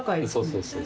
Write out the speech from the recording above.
そうそう。